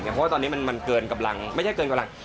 เพราะว่าตอนนี้มันเกินกำลังไม่ใช่เกินกำลัง